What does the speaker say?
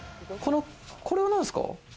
これはなんですか？